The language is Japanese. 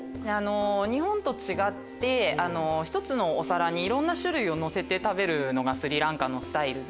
日本と違って１つのお皿にいろんな種類をのせて食べるのがスリランカのスタイルで。